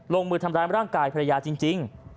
ลงมือทำร้ายร่างกายภรรยาจริง